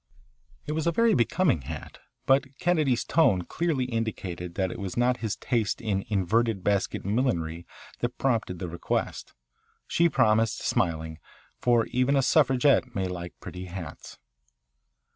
It was a very becoming hat, but Kennedy's tone clearly indicated that it was not his taste in inverted basket millinery that prompted the request. She promised, smiling, for even a suffragette may like pretty hats.